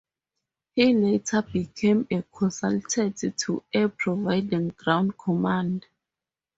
He later became a consultant to Air Proving Ground Command.